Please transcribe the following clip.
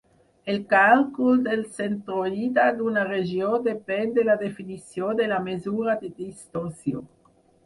El càlcul del centroide d'una regió depèn de la definició de la mesura de distorsió.